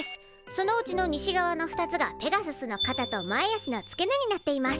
そのうちの西側の２つがペガススのかたと前足の付け根になっています。